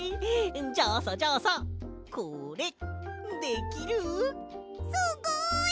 じゃあさじゃあさこれできる？すごい！